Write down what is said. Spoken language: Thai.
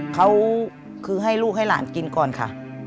เขาคือให้ลูกให้หลานกินก่อนค่ะ